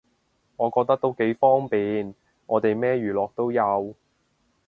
我覺得都幾方便，我哋咩娛樂都有